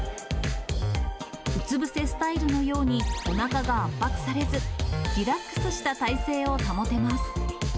うつ伏せスタイルのようにおなかが圧迫されず、リラックスした体勢を保てます。